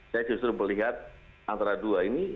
saya justru melihat antara dua ini